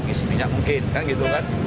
isi minyak mungkin kan gitu kan